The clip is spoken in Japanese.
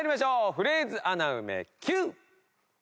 フレーズ穴埋めＱ！